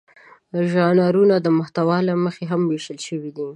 ژانرونه د محتوا له مخې هم وېشل شوي دي.